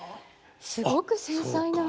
すごく繊細な。